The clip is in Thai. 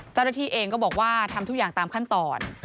เจ้าหน้าที่เองก็บอกว่าทำทุกอย่างตามขั้นตอน